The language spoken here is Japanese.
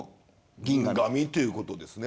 銀紙ということですね。